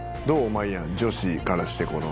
まいやん女子からしてこの」